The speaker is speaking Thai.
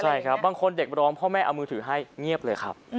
ใช่ครับบางคนเด็กร้องพ่อแม่เอามือถือให้เงียบเลยครับ